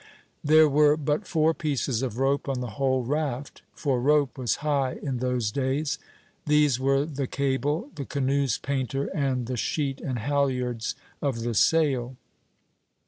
There were but four pieces of rope on the whole raft, for rope was high in those days: these were the cable, the canoe's painter, and the sheet and halyards of the sail.